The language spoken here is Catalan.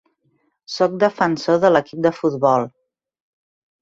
Soc defensor de l'equip de futbol.